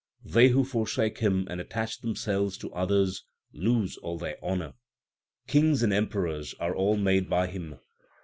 They who forsake Him and attach themselves to others lose all their honour. Kings and Emperors are all made by Him.